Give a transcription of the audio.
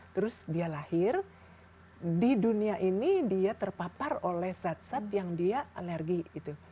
terus dia lahir di dunia ini dia terpapar oleh zat zat yang dia alergi gitu